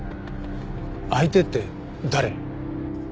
相手って誰？